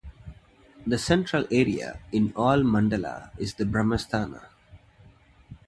The central area in all mandala is the Brahmasthana.